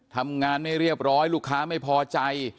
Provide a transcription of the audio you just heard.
ทำงานไม่เรียบร้อยลูกค้าไม่พอใจ